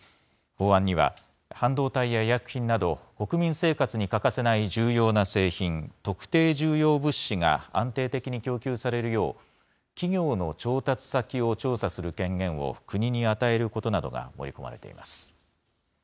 法案には、半導体や医薬品など、国民生活に欠かせない重要な製品、特定重要物資が安定的に供給されるよう、企業の調達先を調査する権限を国に与えることなどが盛り込まれています。